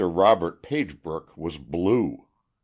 Robert Pagebrook was "blue."